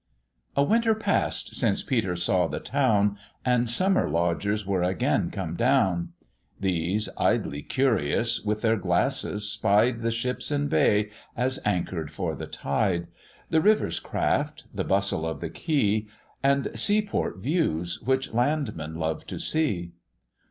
A winter pass'd since Peter saw the town, And summer lodgers were again come down; These, idly curious, with their glasses spied The ships in bay as anchor'd for the tide, The river's craft, the bustle of the quay, And sea port views, which landmen love to see.